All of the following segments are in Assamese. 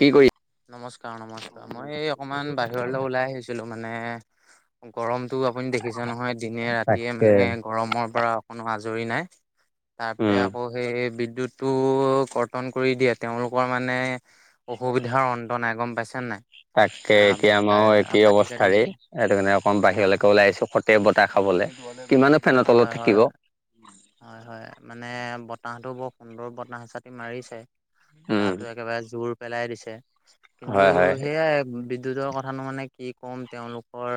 কি কৰি নমস্কাৰ, নমস্কাৰ। মই এই অকমান বাহিৰলৈ ওলাই আহিছিলোঁ মানে গৰমটো আপুনি দেখিছে নহয় দিনে ৰাতিয়ে তাকে মানে গৰমৰ পৰা অকনো আজৰি নাই, তাতে উম আকৌ সেই বিদ্যুৎ টো কৰ্তন কৰি দিয়ে, তেওঁলোকৰ মানে অসুবি দেহৰ অন্ত নাই। গ'ম পাইছে নে নাই? তাকে এতিয়া আমাৰো একেই কাটি কাটি অৱস্থা ৰে, দিয়ে সেইটো কাৰণে অকণমান অ বাহিৰলৈকে ওলাই আহিছোঁ। তে বতাহ খাবলৈ, কিমান নো ফেনৰ হয় তলত হয় থাকিব। হয়, হয়। মানে বতাহটো বৰ সুন্দৰ বতাহ এচাতি মাৰিছে। উম গাটো একেবাৰে জোৰ পেলাই দিছে। কিন্তু হয় হয় সেয়াই বিদ্যুতৰ ক কথানো মানে কি ক'ম তেওঁলোকৰ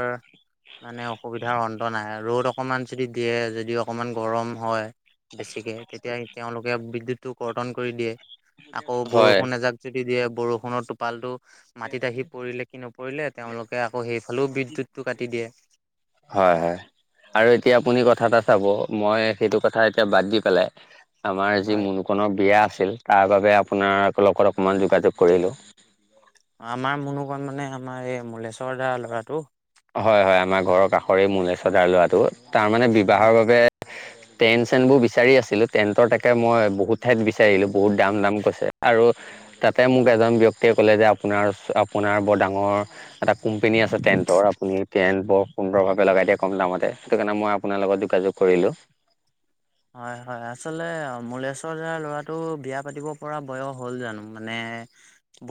মানে অসুবিধাৰ অন্ত নাই। ৰ'দ অকমান যদি দিয়ে, যদি অকমান গৰম হয়, বেছিকে। তেতিয়া তেওঁলোকে বিদ্যুৎটো কৰ্তন কৰি দিয়ে। আকৌ হয় বৰষুণ এজাক যদি দিয়ে, বৰষুণৰ টোপালটো মাটিত আহি পৰিলে কি নপৰিলে, তেওঁলোকে আকৌ সেইফালেও বিদ্যুৎটো কাটি দিয়ে। হয়, হয়, আৰু এতিয়া আপুনি কথা এটা চাব। মই সেইটো কথা এতিয়া বাদ দি পেলাই আমাৰ যি হয় মুনু কনৰ বিয়া আছিল তাৰ বাবে আপোনাৰ লগত অকমান যোগাযোগ কৰিলো। আমাৰ মুনুকণ মানে আমাৰ এই মলেশ্বৰ দাৰ ল'ৰাটো? হয়, হয়, আমাৰ ঘৰৰ কাষৰে মুলেশ্বৰ দাৰ ল'ৰাটো তাৰমানে হয় বিবাহৰ বাবে [inaudible] টেন্ট চেণ্ট বোৰ বিচাৰি আছিলোঁ, টেণ্টৰ তাকে মই বহুত ঠাইত বিচাৰিলোঁ বহুত দাম দাম কৈছে আৰু তাতে মোক এজন ব্যক্তিয়ে ক'লে যে, আপোনাৰ আপোনাৰ বৰ ডাঙৰ এটা কোম্পানী আছে টেন্টৰ। আপুনি টেণ্ট বৰ সুন্দৰভাৱে লগাই দিয়ে কম দামতে সেইটো কাৰণে, মই আপোনাৰ লগত যোগাযোগ কৰিলো। হয়, হয়, আচলতে মুলেশ্বৰ দাৰ ল'ৰাটো বিয়া পাতিব পৰা বয়স হ'ল জানো? মানে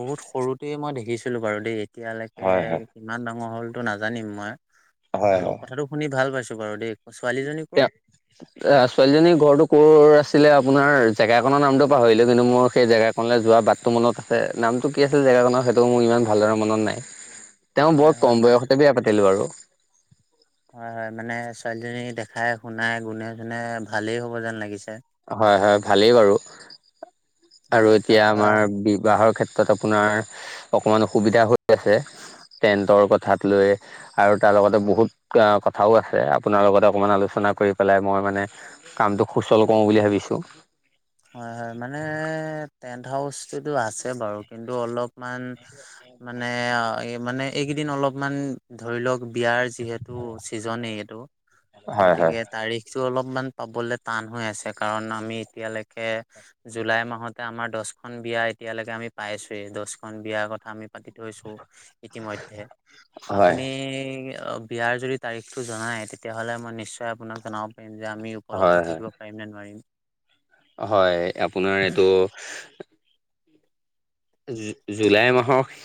বহুত সৰুটোৱে মই দেখিছিলো বাৰু দেই। এতিয়ালৈকে হয় হয় কিমান ডাঙৰ হ'লটো নাজানিম মই মই হয় বোলো হয়। কথাটো শুনি ভাল পাইছো বাৰু দেই, ছোৱালীজনী কৰ? [inaudible] অ', ছোৱালীজনীৰ ঘৰটো ক'ৰ আছিলে আপোনাৰ জেগাকনৰ নামতটো পাহৰিলো, কিন্তু মোৰ সেই জেগা কনলে যোৱা বাটটো মনত আছে নামটো কি আছিল জেগাকনৰ সেইটো মোৰ ইমান ভালদৰে মনত নাই। [inaudible] তেওঁ বৰ হয় কম মে বয়সতে বিয়া পাতিলো আৰু। হয়, হয়, মানে ছোৱালীজনী দেখাই শুনাই গুনে-চুনে ভালেই হ'ব যেন লাগিছে। হয়, হয়, ভালেই বাৰু। আৰু এতিয়া তাৰপৰা আমাৰ বিবাহৰ ক্ষেত্ৰত আপোনাৰ, অকমান অসুবিধা হৈ আছে। টেণ্টৰ কথাত লৈ। আৰু তাৰ লগতে বহুত কথাও আছে আপোনাৰ লগতে অকমান আলোচনা কৰি পেলাই মই মানে কামটো সুচল কৰোঁ বুলি ভাবিছোঁ। হয়, হয়, মানে টেন্ট হাউচটোতো আছে বাৰু কিন্তু অলপমান মানে মানে এইকেইদিন অলপমান ধৰি লওক বিয়াৰ যিহেতু ছিজনেই এইটো, হয় হয় গতিকে তাৰিখটো অলপমান পাবলে টান হৈ আছে কাৰণ, আমি এতিয়ালৈকে জুলাই মাহতে আমাৰ দহখন বিয়া এতিয়ালৈকে আমি পাইছোয়েই দহখন বিয়াৰ কথা আমি পাতি থৈছো। ইতিমধ্যে হয় আপুনি বিয়াৰ যদি তাৰিখটো জনাই তেতিয়াহ'লে মই নিশ্চয় আপোনাক জনাব পাৰিম যে আমি হয় উপলব্ধ হয় থাকিব পাৰিম নে নোৱাৰিম। হয়, আপোনাৰ এইটো জুলাই মাহৰ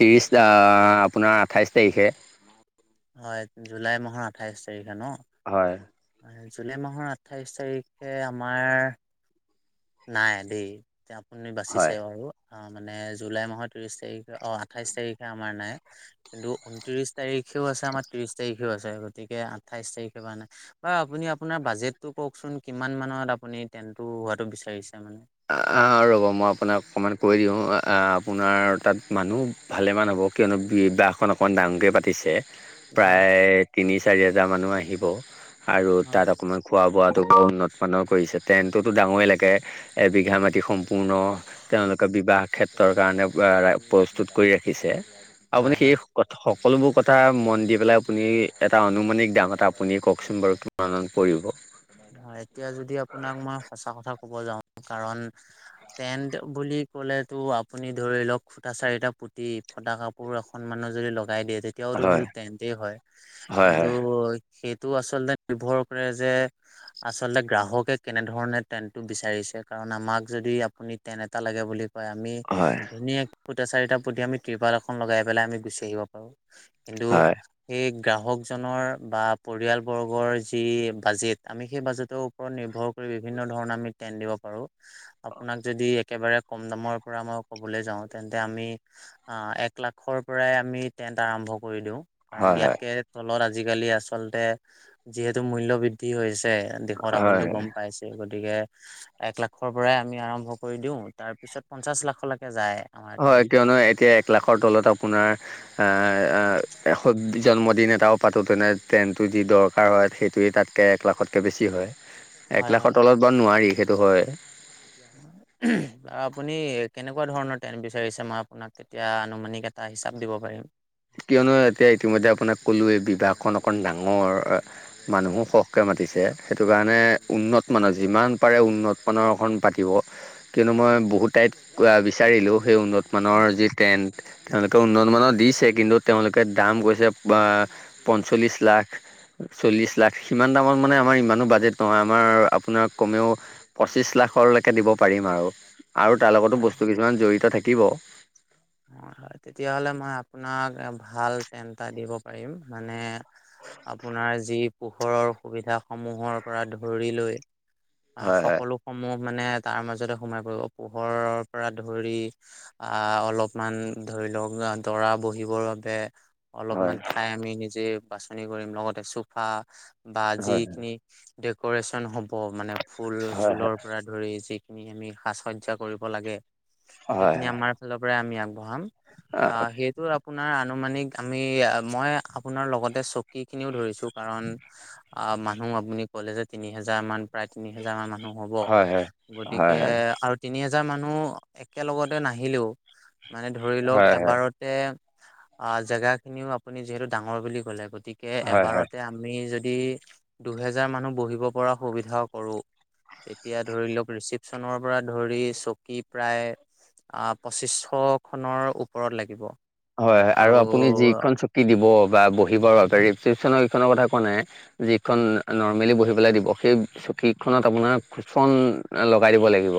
ত্ৰিছ আপোনাৰ আঠাইছ তাৰিখে। হয়, জুলাই মাহৰ আঠাইশ তাৰিখে ন'? হয়। জুলাই মাহৰ আঠাইছ তাৰিখে আমাৰ নাই দেই, এতিয়া আপুনি বাচিছে হয় আৰু। অ', মানে জুলাই মাহৰ ত্ৰিশ তাৰিখে, অ', আঠাইশ তাৰিখে আমাৰ নাই। কিন্তু ঊনত্ৰিশ তাৰিখেও আছে, আমাৰ ত্ৰিশ তাৰিখেও আছে, গতিকে আঠাইছ তাৰিখৰ পৰা নাই। বাৰু আপুনি আপোনাৰ বাজেটটো কওকচোন, কিমান মানত আপুনি টেন্টটো হোৱাটো বিচাৰিছে মানে? অ', ৰ'ব মই আপোনাক অকণমান কৈ দিওঁ, আপোনাৰ তাত মানুহ ভালেমান হ'ব, কিয়নো বিবাহখন অকণমান ডাঙৰকে পাতিছে। হয় প্ৰায় তিনি চাৰি হাজাৰ মানুহ আহিব, আৰু তাত হয় অকণমান খোৱা বোৱাটো বৰ উন্নতমানৰ কৰিছে, টেন্টটোতো ডাঙৰেই লাগে, এবিঘা মাটি সম্পূৰ্ণ তেওঁলোকে বিবাহ ক্ষেত্ৰৰ কাৰণে, প্ৰস্তুত কৰি ৰাখিছে, আপুনি হয় সেই হয় সকলোবোৰ কথা মন দি পেলাই আপুনি, এটা আনুমানিক দাম এটা আপুনি কওকচোন বাৰু? কিমান মান পৰিব? হয়, এতিয়া যদি আপোনাক মই সঁচা কথা কব যাওঁ, কাৰণ টেন্ট বুলি ক'লেটো, আপুনি ধৰি লওক ফুটা চাৰিটা পুতি, ফটা কাপোৰ এখন মানো যদি লগাই দিয়ে, তে তেতিয়াওতো হয় সেইটো টেণ্টেই হয়, হয় কিন্তু হয় সেইটো আচলতে নিৰ্ভৰ কৰে যে আচলতে গ্ৰাহকে কেনেধৰণে টেনটো বিচাৰিছে, কাৰণ, আমাক যদি আপুনি টেন্ত এটা লাগে বুলি কয়, আমি হয় ধুনীয়াকে খুটা চাৰিটা পুতি আমি ত্ৰিপাল এখন লগাই পেলাই, আমি গুচি আহিব পাৰো। কিন্তু, হয় এই গ্ৰাহকজনৰ, বা পৰিয়ালবৰ্গৰ যি বাজেট আমি সেই বাজেটৰ ওপৰত নিৰ্ভৰ কৰি, বিভিন্ন ধৰণৰ আমি টেন্ত দিব পাৰো। আপোনাক যদি একেবাৰে কম দামৰ পৰা মই ক'বলৈ যাওঁ, তেন্তে আমি আহ, এক লাখৰ পৰাই আমি টেন্ট আৰম্ভ কৰি দিওঁ। কাৰণ হয় ইয়াতকে তলত আজিকালি আচলতে, যিহেতু মূল্যবৃদ্ধি হৈছে। দেশত, হয় আপুনিতো হয় গম পাইছেই, গতিকে এক লাখৰ পৰাই আমি আৰম্ভ কৰি দিওঁ, তাৰপিছত পঞ্চাশ লাখলৈকে যায়। আমাৰ হয়, টেণ্ট কিয়নো এতিয়া এক লাখৰ তলত আপোনাৰ এ জন্মদিন এটাও পাতোতেনে ট্ৰেনটো যি দৰকাৰ হয়, সেইটোৱেই তাত কে এক লাখতকৈ বেছি হয়, হয় এক হয় লাখৰ তলত বাৰু নোৱাৰি, সেইটো হয়। হুহ। বাৰু আপুনি কেনেকুৱা ধৰণৰ টেণ্ট বিচাৰিছে? মই আপোনাক তেতিয়া আনুমানিক এটা হিচাপ দিব পাৰিম। কিয়নো এতিয়া ইতিমধ্যে আপোনাক ক'লোৱেই, বিবাহখন অকণমান ডাঙৰ। মানুহো সৰহকৈ মাতিছে, সেইটো কাৰণে উন্নত মানৰ, যিমান পাৰে উন্নত মানৰ অকমান পাতিব কিয়নো মই বহুত ঠাইত বিচাৰিলোঁ, সেই উন্নত মানৰ যি টেণ্ট, তেওঁলোকে উন্নতমানৰ দিছে কিন্তু তেওঁলোকে দাম কৈছে, পঞ্চল্লিছ লাখ চল্লিশ লাখ, সিমান দামত মানে আমাৰ ইমানো বাজেট নহয়, আমাৰ আপোনাৰ কমেও পঁচিশ লাখলৈকে দিব পাৰিম আৰু, আৰু তাৰ লগতো হয় বস্তু কিছুমান জড়িত থাকিব। হয় হয়, তেতিয়াহ'লে মই আপোনাক ভাল টেণ্ট এটা দিব পাৰিম, মানে আপোনাৰ যি পোহৰৰ সুবিধাসমূহৰ পৰা ধৰি লৈ অ', হয় সকলো সমূহ মানে তাৰ মাজতে সোমাই পৰিব, পোহৰৰ পৰা ধৰি, আহ অলপ মান ধৰি লওক, দৰা বহিবৰ বাবে, হয় অলপমান ঠাই আমি নিজে বাচনি কৰিম, লগতে চোফা বা হয় যিখিনি ডেকৰেচন হ'ব, মানে ফুল হয় চুলৰ পৰা, ধৰি যিখিনি আমি সাজ সজ্জা কৰিব লাগে, হয় সেইখিনি আমাৰ ফালৰ পৰাই আমি আগবঢ়াম। অ হয় সেইটো, আপোনাৰ আনুমানিক আমি, মই আপোনাৰ লগতে চকী খিনিও ধৰিছো। কাৰণ, অ মানুহ আপুনি কলে যে তিনি হেজাৰ মান প্ৰায় তিনি হেজাৰ মান মানুহ। নহ'ব, হয় হয় হয় হয় হয় গতিকে আৰু তিনি হোজাৰ মানুহ একেলগতে নাহিলেও, মানে ধৰি হয় হয় লওক হয় হয় এবাৰতে অ জেগা খিনিও আপুনি যিহেতু ডাঙৰ বুলি ক'লে। গতিকে, কে হয় হয় এবাৰতে আমি যদি দুহেজাৰ মানুহ বহিব পৰা সুবিধাও কৰো তেতিয়া ধৰি লওক ৰিচিপচনৰ পৰা ধৰি চকী প্ৰায় আহ পঁচিছশ খনৰ ওপৰত লাগিব। হয় হয় আৰু আপুনি যিখন চুকি দিব বা বহিবৰ বাবে ৰিচিপচনৰ এইখনৰ কথা কোৱা নাই যিখন নৰ্মেলি বহি পেলাই দিব সেই চকীখনত আপোনাৰ কুচন লগাই দিব লাগিব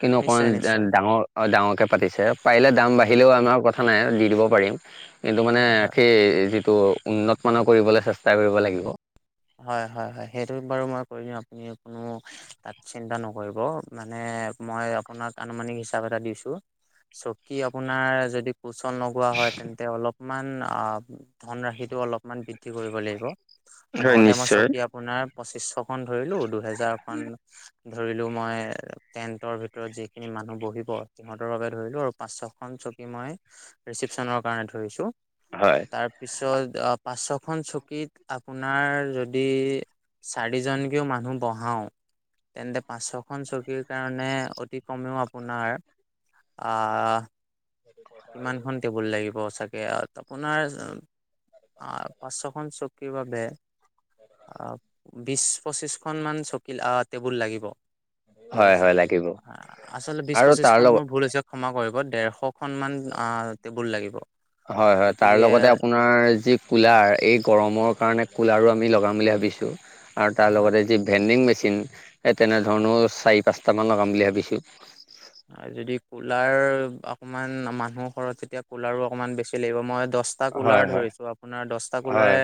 কিন্তু অকণমান নিশ্চয় নিশ্চয় ডাঙৰ ডাঙৰকৈ পাতিছে পাৰিলে হয় দাম হয় বাঢ়িলেও আমাৰ কথা নাই। দিব পাৰিম কিন্তু মানে হয় সেই যিটো উন্নত মমানৰ কৰিবলৈ চেষ্টা কৰিব লাগিব হয় হয় হয় সেইটো বাৰু মই কৰি দিওঁ আপুনি কোনো তাত চিন্তা নক মানে মই আপোনাক আনুমানিক হিচাপ এটা দিছো। চকী আপোনাৰ যদি কোচন লগোৱা হয়। তেন্তে অলপমান অ, ধনৰাশিতটো অলপমান বৃদ্ধি কৰিব লাগিব। হয় লগতে মই নিশ্চয় চকী আপোনাৰ পঁচিশশখনন ধৰিলো, দুহেজাৰ খন ধৰিলো, মই টেন্টৰ ভিতৰত যিখিনি মানুহ বহিব সিহঁতৰ বাবে ধৰিলো আৰু, পাঁচশখন চকী মই ৰিচিপশ্যনৰ কাৰণে ধৰিছোঁ। হয়। তাৰপিছত আ পাঁচখন চকীত, আ আপোনাৰ যদি চাৰিজনকেও মানুহ বহাওঁ, তেন্তে, পাঁচশখন চকীৰ কাৰণে অতি কমেও আপোনাৰ। আ আ। তাকে, আৰু আপোনাৰ পাঁচশখন চকীৰ বাবে, আ বিশ পঁচিশখন মান চকী আহ টেবুল লাগিব। ঠিক হয় আছে, হয় লাগিব আচলতে বিশ আৰু তাৰ পঁচিশখন লগত মোৰ ভুল হৈছে ক্ষমা কৰিব। ডেৰশ মান আ টেবুল লাগিব। হয় হয়, তাৰ গতিকে লগতে আপোন নাৰ যি কুলাৰ, এই গৰমৰ কাৰণে কুলাৰো আমি লগাম বুলি ভাবিছোঁ। আৰু তাৰ লগতে যি ভেণ্ডিং মেচিন, সেই তেনেধৰণৰ চাৰি পাঁচটামান লগাম বুলি ভাবিছোঁ। আৰু যদি কুলাৰ অকণমান মানুহৰ ঘৰত তেতিয়া কুলাৰো অকণমান বেছি লাগিব। মই দহ টা হয় কুলাৰ হয় ধৰিছো, আপোনাৰ দহটা কুলাৰে হয়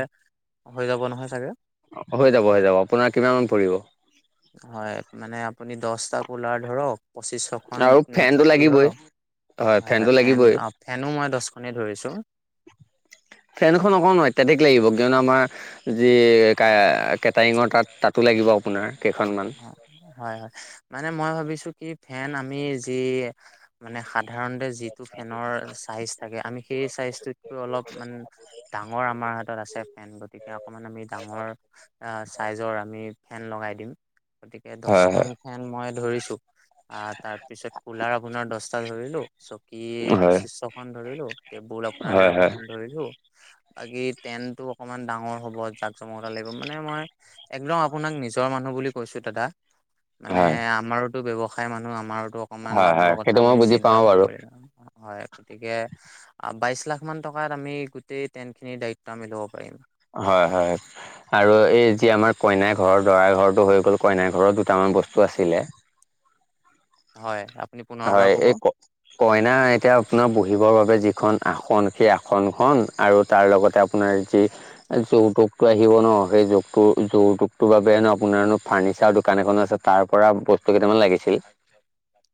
হৈ যাব নহয় চাগে? অ হৈ যাব হৈ যাব। আপোনাৰ কিমান মান পৰিব? হয় মানে আপুনি দহটা কোলাৰ ধৰক। পঁচিছশখন আৰু ফেনটো চকী লাগিবই। ধৰক, হয় ফেনটো হয় ফেন লাগিবই আ ফেনো মই দহখনেই ধৰিছোঁ। ফেনখন অকণমান অত্যাধিক লাগিব। কিয়নো আমাৰ, যি কে কেটাৰিঙৰ তাত তাতো লাগিব আপোনাৰ কেইখনমান। হয় হয়, মানে মই ভাবিছো কি ফেন আমি যি মানে, সাধাৰণতে যিটো ফেনৰ চাইজ থাকে, আমি সেই চাইজটো। অলপ মান ডাঙৰ আমাৰ হাতত আছে ফেন। গতিকে অকমান আমি ডাঙৰ, অ চাইজৰ আমি ফেন লগাই দিম গতিকে হয় দছখন হয় ফেন মই ধৰিছো। আহ তাৰ পিছত কুলাৰ আপোনাৰ দছটা ধৰিলো চকী হয় পঁচিছশখন ধৰিলো। টেবুল আপোনাৰ হয় হয় দেৰশখন ধৰিলো। বাকী টেন্টটো অকমান ডাঙৰ হ'ব জাক জমকতটা লাগিব মানে মই একদম আপোনাক নিজৰ মানুহ বুলি কৈছো দাদা মানে হয় আমাৰোতো ব্যৱসায় মানুহ আমাৰোত অকনমান হয় লাভৰ হয় কথা সেইটো আমি মই বুজি চিন্তা পাওঁ বাৰু কৰিব লাগিব। হয় গতিকে আ বাইশ লাখ মান টকাত আমি গোটেই টেন্টখিনিৰ দায়িত্ব আমি ল'ব পাৰিম। হয় হয়। আৰু এই যি আমাৰ কইনাৰ ঘৰ দৰাৰ ঘৰটো হৈ গ'ল কইনাৰ ঘৰত দুটামান বস্তু আছিলে। হয়, আপুনি পো হয়, এই ক কইনা এতিয়া আপোনাৰ বহিবৰ বাবে যিখন আসন, সেই আসনখন আৰু তাৰ লগতে আপ পোনাৰ যি এ যৌতুকটো আহিব ন সেই যৌকটো যৌতুকটোৰ বাবে ন আপোনাৰনো ফাৰ্নিচাৰ দোকান এখনো আছে তাৰ পৰা বস্তু কেইটামান লাগিছিল।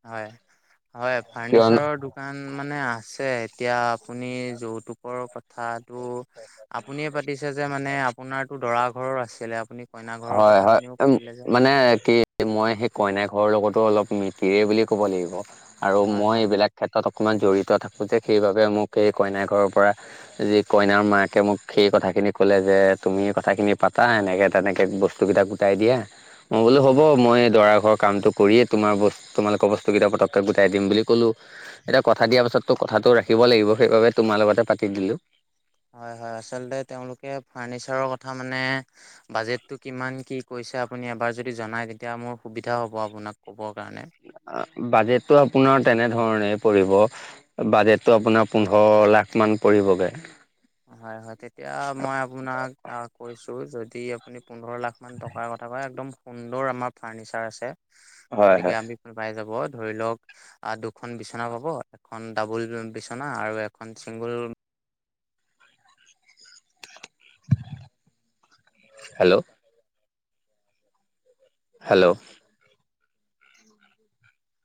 হয় হয় কিয়নো ফাৰ্নিচাৰৰ দোক কান মানে আছে এতিয়া আপুনি যৌতুকৰ কথাটো আপুনিয়ে পাতিছে যে মানে আপোনাৰতো দৰা ঘৰৰ আছিলে আপুনি কইনা ঘৰৰ কথাখিনিও পাতিলে যে‌। নে কি মই সেই কইনা ঘৰৰ লগতো অলপ মিতিৰে বুলি ক'ব লাগিব আৰু হয় মই হয় এইবিলাক ক্ষেত্ৰত অকণমান জড়িত থাকোঁ যে সেইবাবে মোক এই কইনা ঘৰৰ পৰা যি কইনাৰ মাক কে মোক সেই কথাখিনি কলে যে তুমিয়ে কথাখিনি পাতা এনেকে তেনেকে বস্তু কেইটা গোটাই দিয়া। মই বোলো হ'ব হয় মই দৰা ঘৰৰ কামটো কৰিয়েই তোমাৰ বস্তু তোমালোকৰ বস্তুকেইটা পককৈ গোটাই দিম বুলি ক'লোঁ এতিয়া কথা হয়। দিয়াৰ পাছত তো কথাটো ৰাখিব লাগিব সেইবাবে তোমাৰ লগতে পাতি দিলো। হয় হয় আচলতে তেওঁলোকে ফাৰ্নিচাৰৰ কথা মানে বাজেটটো কিমান কি কৈছে আপুনি এবাৰ যদি জনায় তেতিয়া মোৰ সুবিধা হ'ব আপোনাক ক'বৰ কাৰণে। বাজেটটো আপোনাৰ তেনেধৰণে পৰিব বাজেটটো আপোনাৰ পোন্ধৰ লাখমান পৰিবগে। হয় হয় তেতিয়া মই আপোনাক কৈছো যদি আপুনি পোন্ধৰ লাখমান টকাৰ কথা কয় একদম সুন্দৰ আমাৰ ফাৰ্নিচাৰ আছে হয় হয়। গতিকে [unintelligible] পাই যাব ধৰি লওঁক আ দুখন বিচনা পাব এখন ডাবুল বিচনা আৰু এখন চিংগুল হেল্ল' হেল্ল'